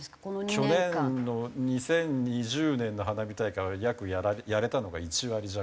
去年の２０２０年の花火大会は約やれたのが１割弱。